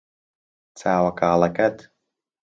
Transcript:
چاوە کاڵەکەت